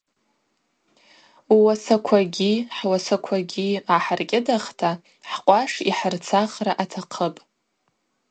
Ууасаквагьи хӏуасаквагьи гӏахӏыркӏьыдахта хӏкъваш йхӏырцахра атахъыпӏ.